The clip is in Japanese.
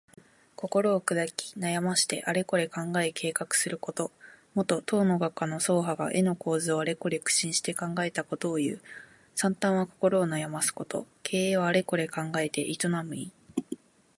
心をくだき、悩ましてあれこれ考え計画すること。もと、唐の画家の曹覇が絵の構図をあれこれ苦心して考えたことをいう。「惨憺」は心を悩ますこと。「経営」はあれこれ考えて営む意。